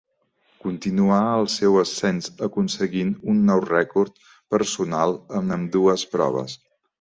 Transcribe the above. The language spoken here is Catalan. Continuà el seu ascens aconseguint un nou rècord personal en ambdues proves.